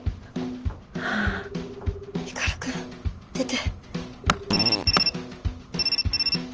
光くん出て。